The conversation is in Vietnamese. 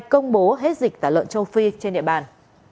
công bố hết dịch tả lợn châu phi trên địa bàn